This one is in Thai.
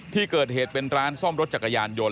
ที่เกิดเหตุเป็นร้านซ่อมรถจักรยานยนต